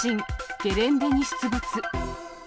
ゲレンデに出没。